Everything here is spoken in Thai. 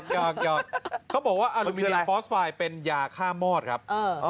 ยอดยอดยอดเขาบอกว่าเป็นยาค่ามอดครับเออ